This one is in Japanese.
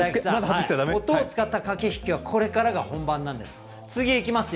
音を使った駆け引きはこれからが本番なんです。